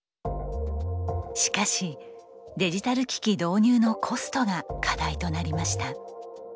しかしデジタル機器導入のコストが課題となりました。